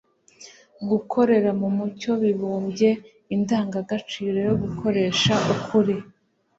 gukorera mu mucyo bibumbye indangagaciro yo gukoresha ukuri